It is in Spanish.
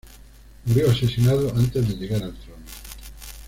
Murió asesinado antes de llegar al trono.